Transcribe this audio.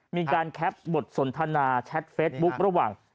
มีการแคปบทสนทนาแชทเฟสบุ๊คระหว่าง